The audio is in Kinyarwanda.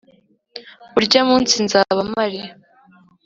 Urya munsi nzaba mari